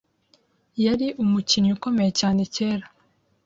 yari umukinnyi ukomeye cyane kera